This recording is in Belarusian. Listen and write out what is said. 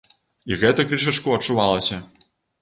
І гэта крышачку адчувалася.